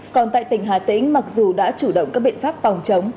còn tại tỉnh hà tĩnh mặc dù đã chủ động các biện pháp phòng chống